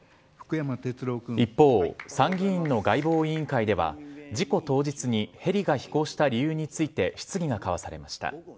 一方、参議院の外防委員会では事故当日にヘリが飛行した理由について質疑が交わされました。